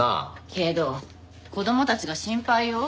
けど子供たちが心配よ。